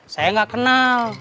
saya gak kenal